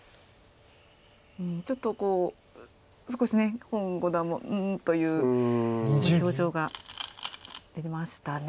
ちょっとこう少し洪五段も「うん」という表情が出ましたね。